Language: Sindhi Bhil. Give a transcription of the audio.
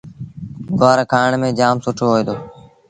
گُوآر کآڻ ميݩ جآم سُٺو هوئي دو۔